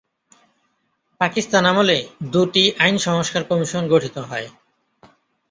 পাকিস্তান আমলে দুটি আইন সংস্কার কমিশন গঠিত হয়।